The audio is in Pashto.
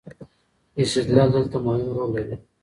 استدلال دلته مهم رول لري.